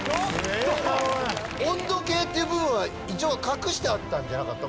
「温度計」っていう部分は一応隠してあったんじゃなかった？